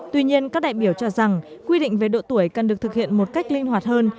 tuy nhiên các đại biểu cho rằng quy định về độ tuổi cần được thực hiện một cách linh hoạt hơn